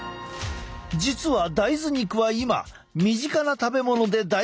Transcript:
実は大豆肉は今身近な食べ物で大活躍。